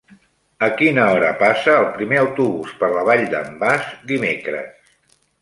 A quina hora passa el primer autobús per la Vall d'en Bas dimecres?